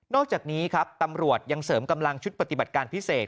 อกจากนี้ครับตำรวจยังเสริมกำลังชุดปฏิบัติการพิเศษ